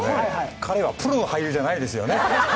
彼はプロの俳優じゃないですよね。